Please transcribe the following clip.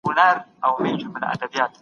د حکومت غوښتنه قانوني بڼه لري.